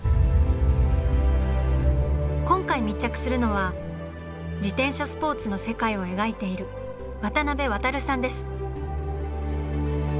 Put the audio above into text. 今回密着するのは自転車スポーツの世界を描いている渡辺航さんです。